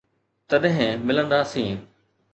تڏھن ملنداسين.